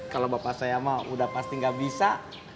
kalau bapak saya mah udah pasti gak bisa